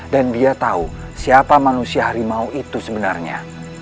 dan dia tahu siapa manusia harimau itu sebenarnya